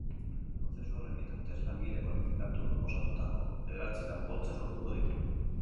Prozesu horren bitartez, langile kualifikatuk osatutako bederatzi lan-poltsa sortuko ditu.